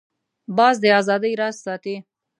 باز د آزادۍ راز ساتي